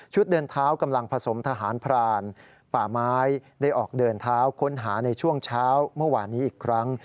เดินเท้ากำลังผสมทหารพรานป่าไม้ได้ออกเดินเท้าค้นหาในช่วงเช้าเมื่อวานนี้อีกครั้ง